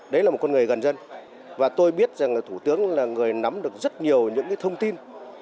đấy là một con người gần dân và tôi biết rằng là thủ tướng là người nắm được rất nhiều những thông tin